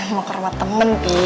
mau ke rumah temen sih